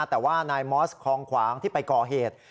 แต่ว่านายมอสคองขวางที่ไปก่อเหตุ